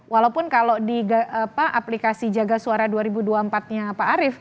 walaupun kalau di aplikasi jaga suara dua ribu dua puluh empat nya pak arief